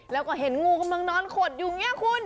แล้วก็เห็นงูกำลังนอนขดอยู่อย่างนี้คุณ